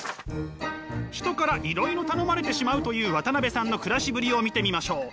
人からいろいろ頼まれてしまうという渡辺さんの暮らしぶりを見てみましょう。